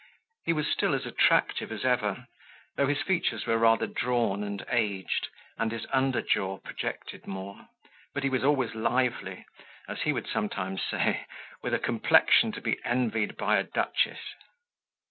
He was still as attractive as ever, though his features were rather drawn and aged, and his under jaw projected more; but he was always lively, as he would sometimes say, with a complexion to be envied by a duchess.